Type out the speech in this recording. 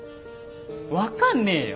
分かんねえよ！